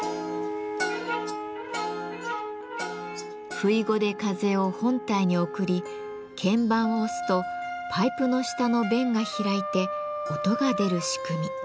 「ふいご」で風を本体に送り鍵盤を押すとパイプの下の弁が開いて音が出る仕組み。